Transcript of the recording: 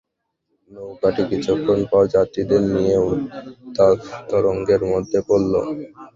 নৌকাটি কিছুক্ষণ পর যাত্রীদের নিয়ে উত্তাল তরঙ্গের মধ্যে পড়লো।